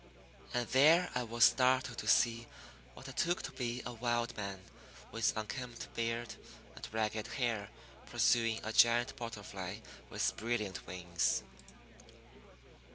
And there I was startled to see what I took to be a wild man, with unkempt beard and ragged hair, pursuing a giant butterfly with brilliant wings.